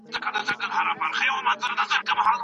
حنفي فقهاء وايي، چي ميرمنو ته په سفر کي د قسم حق ثابت ندی.